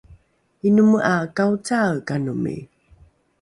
inome ’a kaocaaekanomi?